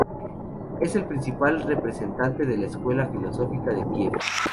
Es el principal representante de la Escuela Filosófica de Kiev.